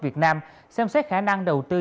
việt nam xem xét khả năng đầu tư